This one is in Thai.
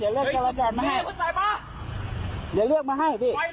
เฮ้ยคุณใส่มาเดี๋ยวเลือกมาให้พี่ไปเลยไปไกล